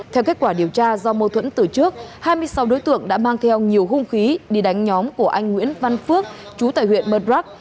theo kết quả điều tra do mâu thuẫn từ trước hai mươi sáu đối tượng đã mang theo nhiều hung khí đi đánh nhóm của anh nguyễn văn phước chú tại huyện murdrock